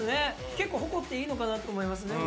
結構誇っていいのかなと思いますね。